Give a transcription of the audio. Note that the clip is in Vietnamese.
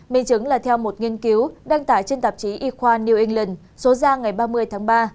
minh chứng là theo một nghiên cứu đăng tải trên tạp chí y khoa new england số ra ngày ba mươi tháng ba